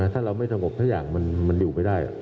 ถ้าเราไม่สงบสักอย่างมันอยู่ไม่ได้